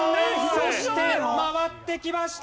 そして回ってきました